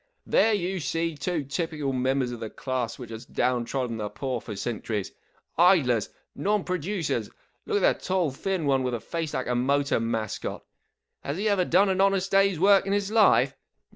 44 There you see two typical members of the class which has down trodden the poor for cen¬ turies. Idlers ! Non producers ! Look at the tall, thin one with the face like a motor mascot. Has he ever done an honest day's work in his life